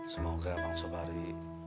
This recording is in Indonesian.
semoga pak sobari